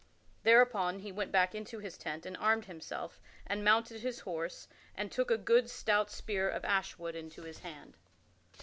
Thereupon he went back into his tent and armed himself and mounted his horse and took a good stout spear of ash wood into his hand.